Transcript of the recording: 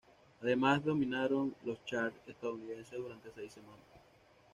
Además dominaron los charts estadounidenses durante seis semanas.